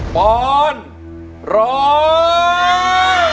ปอนร้อง